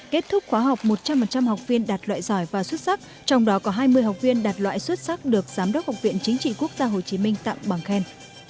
kết thúc khóa học một trăm linh học viên đạt loại giỏi và xuất sắc trong đó có hai mươi học viên đạt loại xuất sắc được giám đốc học viện chính trị quốc gia hồ chí minh tặng bằng khen